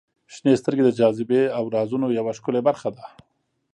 • شنې سترګې د جاذبې او رازونو یوه ښکلې برخه ده.